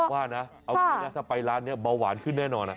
ว่านะเอางี้นะถ้าไปร้านนี้เบาหวานขึ้นแน่นอน